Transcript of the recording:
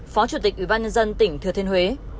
phó chủ tịch ủy ban nhân dân tỉnh thừa thiên huế